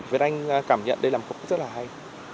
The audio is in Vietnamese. việt anh cảm nhận đây là một rất là hay